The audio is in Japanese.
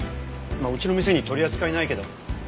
まあうちの店に取り扱いないけど。